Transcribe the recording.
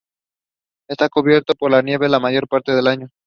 Está cubierto por la nieve la mayor parte del año.